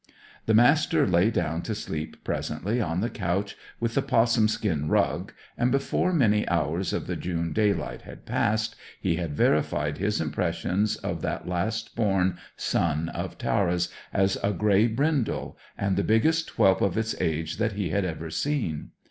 The Master lay down to sleep presently, on the couch with the 'possum skin rug; and before many hours of the June daylight had passed, he had verified his impressions of that last born son of Tara's as a grey brindle, and the biggest whelp of its age that he had ever seen.